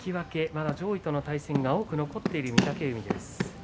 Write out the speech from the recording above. まだ上位との対戦が多く残っている御嶽海です。